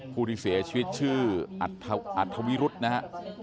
ผู้ที่เสียชีวิตชื่ออัธวิรุธนะฮะ